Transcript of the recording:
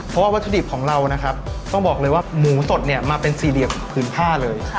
เพราะว่าวัตถุดิบของเรานะครับต้องบอกเลยว่าหมูสดเนี่ยมาเป็นสี่เหลี่ยมผืนผ้าเลย